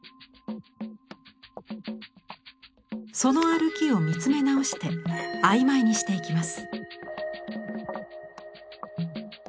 その歩きを見つめ直して曖昧にしていきます。